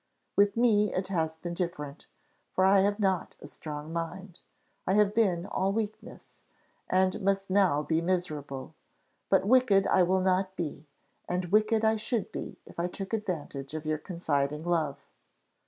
With me it has been different, for I have not a strong mind. I have been all weakness, and must now be miserable; but wicked I will not be and wicked I should be if I took advantage of your confiding love.